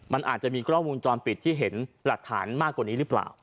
มันอาจจะมีกล้องวงจรปิดที่เห็นหลักฐานมากกว่านี้หรือเปล่า